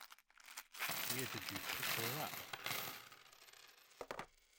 Where did you pick her up?